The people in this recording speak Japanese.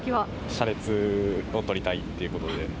車列を撮りたいということで。